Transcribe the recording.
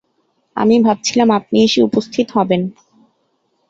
আমি ভাবছিলাম আপনি এসে উপস্থিত হবেন।